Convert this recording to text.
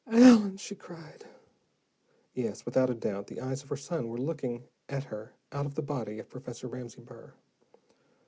"Allen," she cried. Yes, without doubt, the eyes of her son were looking at her out of the body of Professor Ramsey Burr.